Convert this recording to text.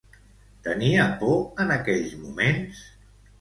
Tenia por en aquells moments?